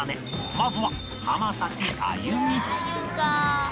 まずは浜崎あゆみ